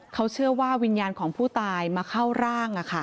เขาเชื่อว่าวิญญาณของผู้ตายมาเข้าร่าง